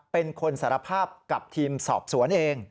เป็นคนสารภาพกับทีมสอบสวนเอง